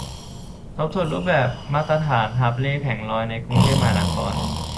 ทบทวนรูปแบบมาตรฐานหาบเร่แผงลอยในเขตกรุงเทพมหานคร